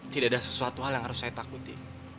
tidak ada sesuatu hal yang harus saya takuti